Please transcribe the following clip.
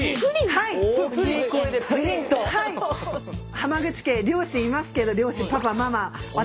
浜口家両親いますけど両親パパママ私。